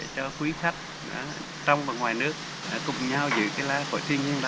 cho quý khách trong và ngoài nước cùng nhau giữ cái loài khỏi thiên nhiên đó